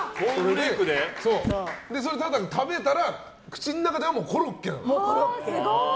ただ食べたら口の中ではコロッケなの。